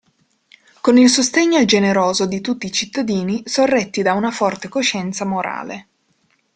Con il sostegno generoso di tutti i cittadini, sorretti da una forte coscienza morale.